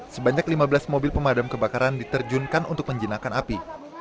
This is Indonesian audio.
sebanyak lima belas mobil pemadam kebakaran diterjunkan untuk menjinakkan api